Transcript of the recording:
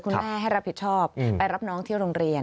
คุณแม่ให้รับผิดชอบไปรับน้องเที่ยวโรงเรียน